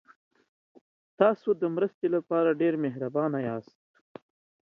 تاسو د مرستې لپاره ډېر مهربانه یاست.